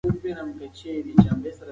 لګښتونه مې د عاید مطابق دي.